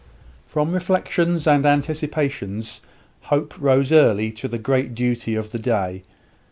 From reflections and anticipations, Hope rose early to the great duty of the day.